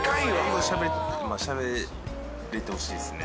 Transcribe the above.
しゃべれてほしいですね。